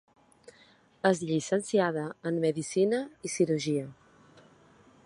És llicenciada en medicina i cirurgia.